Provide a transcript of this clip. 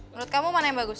menurut kamu mana yang bagus